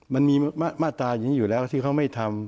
มันมีมาตราอย่างนี้อยู่แล้วที่เขาไม่ทำ